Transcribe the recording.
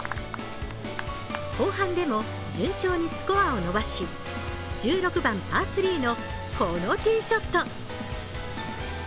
後半でも順調にスコアを伸ばし、１６番・パー３のこのティーショット。